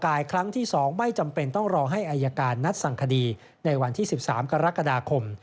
ครั้งที่๒ไม่จำเป็นต้องรอให้อายการนัดสั่งคดีในวันที่๑๓กรกฎาคม